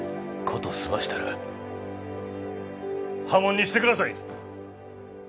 事済ましたら破門にしてください！